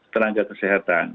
mulai dengan tenaga kesehatan